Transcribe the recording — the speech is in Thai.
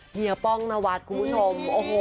เฮียป้องนวัดคุณผู้ชม